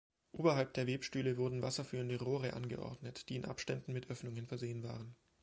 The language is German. Oberhalb der Webstühle wurden wasserführende Rohre angeordnet, die in Abständen mit Öffnungen versehen waren.